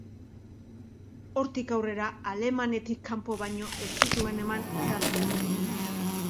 Hortik aurrera, alemanetik kanpo baino ez zituen eman hitzaldiak.